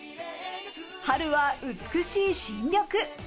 春は美しい新緑。